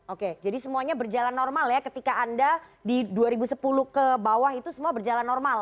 oke jadi semuanya berjalan normal ya ketika anda di dua ribu sepuluh ke bawah itu semua berjalan normal